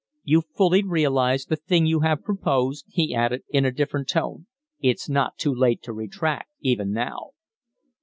"You fully realize the thing you have proposed?" he added, in a different tone. "It's not too late to retract, even now."